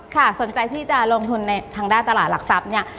สนใจที่จะลงทุนในทางด้านตลาดหลักทรัพย์เนี่ย